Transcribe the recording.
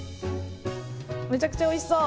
めちゃくちゃおいしそう。